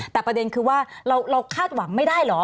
แต่ประเด็นคือว่าเราคาดหวังไม่ได้เหรอ